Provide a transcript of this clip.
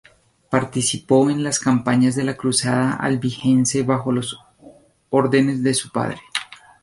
Participó en las campañas de la cruzada albigense bajo los órdenes de su padre.